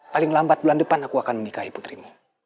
paling lambat bulan depan aku akan menikahi putrimu